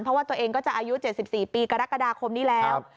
เพราะว่าตัวเองก็จะอายุ๗๔ปีกรกฎาคมนี้แล้ว